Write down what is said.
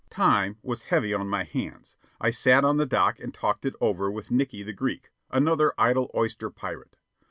Time was heavy on my hands. I sat on the dock and talked it over with Nickey the Greek, another idle oyster pirate.